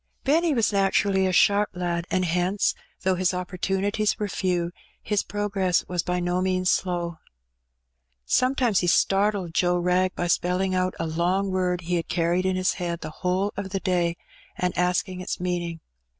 Benny was naturally a ^harp lad, and hence, though his opportunities were few, his progress was by no means slow. Sometimes he startled Joe Wrag by spelling out a long word he had carried in his head the whole of the day, and asking its meaning.